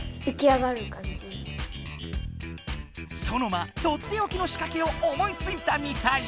ソノマとっておきのしかけを思いついたみたい！